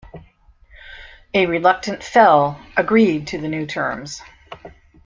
A reluctant Fell agreed to the new terms.